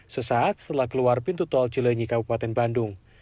sesaat setelah keluar pintu tol cile nyika bupaten bandung